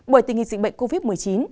bởi tình hình dịch bệnh covid một mươi chín